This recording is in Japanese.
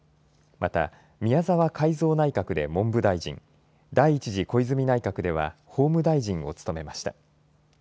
また、宮沢改造内閣で文部大臣、第１次小泉内閣では法務大臣を務めました。